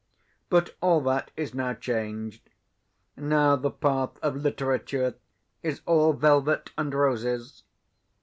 But all that is now changed. Now, the path of literature is all velvet and roses.